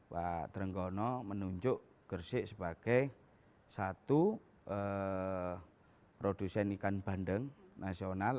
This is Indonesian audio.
pak trenggano menunjuk gresik sebagai satu produsen ikan bandeng nasional